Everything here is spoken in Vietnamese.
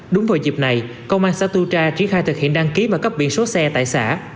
đúng vào dịp này công an xã tu tra triển khai thực hiện đăng ký và cấp biển số xe tại xã